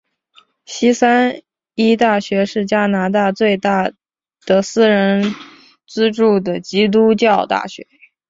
西三一大学是加拿大最大的私人资助的基督教大学。